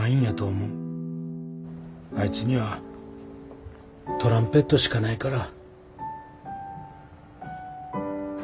あいつにはトランペットしかないから。